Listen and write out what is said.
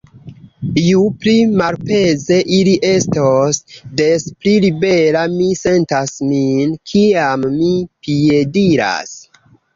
Ju pli malpeze ili estos, des pli libera mi sentas min, kiam mi piediras.